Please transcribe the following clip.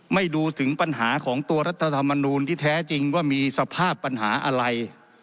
ดูถึงปัญหาของตัวรัฐธรรมนูลที่แท้จริงว่ามีสภาพปัญหาอะไร